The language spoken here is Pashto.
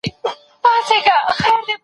هغوی د مڼې په خوړلو بوخت دي.